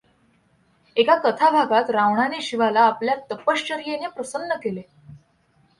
एका कथाभागांत रावणाने शिवाला आपल्या तपश्चर्येने प्रसन्न केले.